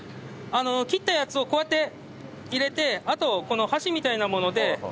切ったやつをこうやって入れてあとこの箸みたいなもので延ばして。